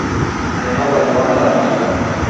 Anem a Vallbona d'Anoia.